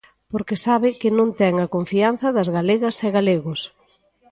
Porque sabe que non ten a confianza das galegas e galegos.